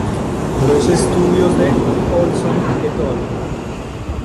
Los estudios de Ohlson "et al".